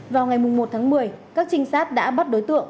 vào ngày một tháng một mươi các trinh sát đã bắt đối tượng